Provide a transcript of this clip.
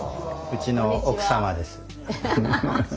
うちの奥様です。